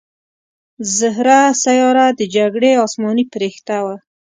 زهره سیاره د جګړې اسماني پرښته وه